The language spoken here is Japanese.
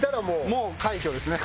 もう快挙ですね。